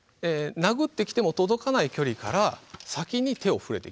殴ってきても届かない距離から先に手を触れていきます。